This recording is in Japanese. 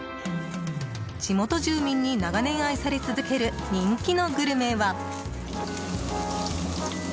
地元住民に長年愛され続ける人気のグルメは。